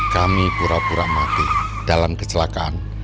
kami pura pura mati dalam kecelakaan